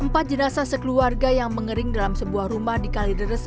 empat jenazah sekeluarga yang mengering dalam sebuah rumah di kalideres